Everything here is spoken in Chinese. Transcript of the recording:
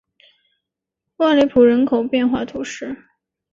沃雷普人口变化图示